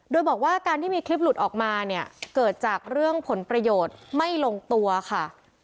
โดยบอกว่าการที่มีคลิปหลุดออกมาเนี่ยเกิดจากเรื่องผลประโยชน์ไม่ลงตัวค่ะ